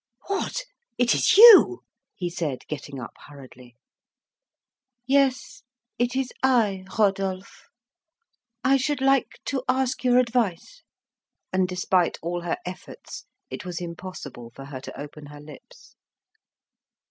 "What! it is you!" he said, getting up hurriedly. "Yes, it is I, Rodolphe. I should like to ask your advice." And, despite all her efforts, it was impossible for her to open her lips.